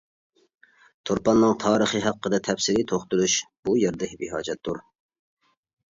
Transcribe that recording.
تۇرپاننىڭ تارىخى ھەققىدە تەپسىلىي توختىلىش بۇ يەردە بىھاجەتتۇر.